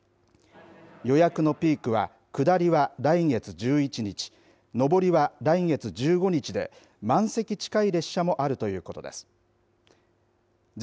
予約のピークは下りは来月１１日上りは来月１５日で満席近い列車もあるということです。